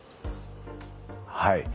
はい。